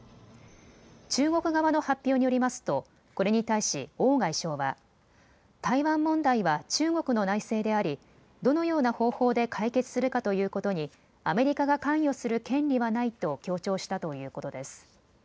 中国側の発表によりますとこれに対し王外相は台湾問題は中国の内政でありどのような方法で解決するかということにアメリカが関与する権利はないと強調したということです。